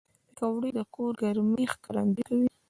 پکورې د کور ګرمۍ ښکارندويي کوي